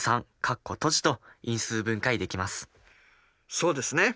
そうですね。